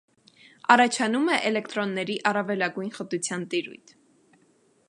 Առաջանում է էլեկտրոնների առավելագույն խտության տիրույթ։